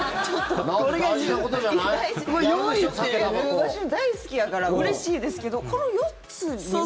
私も大好きやからうれしいですけどこの４つに。